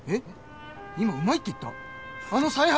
今うまいって言った？